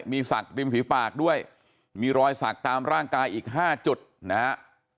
มีศักดิ์ริมฝีปากด้วยมีรอยสักตามร่างกายอีก๕จุดนะฮะ